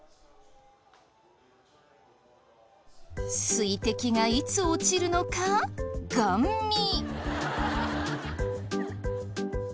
水滴がいつ落ちるのかガン見。